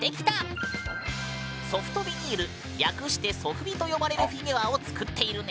ソフトビニール略してソフビと呼ばれるフィギュアを作っているね。